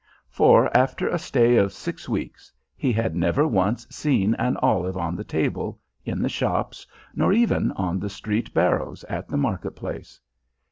For, after a stay of six weeks, he had never once seen an olive on the table, in the shops, nor even on the street barrows at the market place.